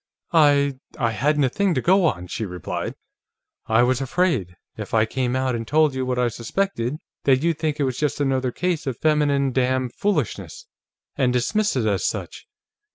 "I I hadn't a thing to go on," she replied. "I was afraid, if I came out and told you what I suspected, that you'd think it was just another case of feminine dam foolishness, and dismiss it as such.